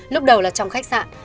lúc đầu là trong khách sạn